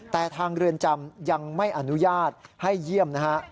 แต่ทางเรือนจำยังไม่อนุญาตให้เยี่ยมนะฮะ